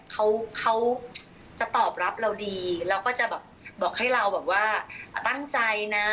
เขาเขาจะตอบรับเราดีเราก็จะแบบบอกให้เราแบบว่าตั้งใจนะ